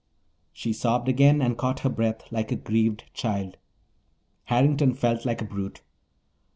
She sobbed again and caught her breath like a grieved child. Harrington felt like a brute.